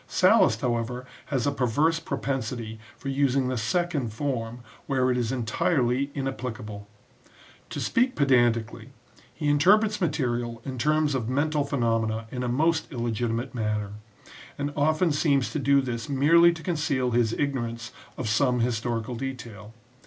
Sallust, however, has a perverse propensity for using the second form where it is entirely inapplicable. To speak pedantically, he interprets material in terms of mental phenomena in a most illegitimate manner, and often seems to do this merely to conceal his ignorance of some historical detail.